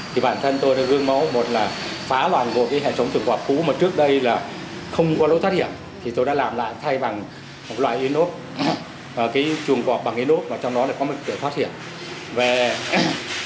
thì bản thân tôi đã gương mẫu một là phá loạn của cái hệ chống trường quạt cũ mà trước đây là không có lối thoát hiểm thì tôi đã làm lại thay bằng một loại inox cái trường quạt bằng inox mà trong đó là có một kiểu thoát hiểm